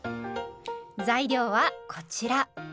材料はこちら。